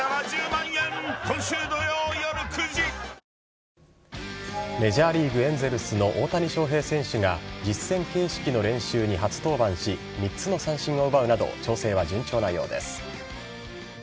新「ＥＬＩＸＩＲ」メジャーリーグエンゼルスの大谷翔平選手が実戦形式の練習に初登板し３つの三振を奪うなど調整は順調なようです。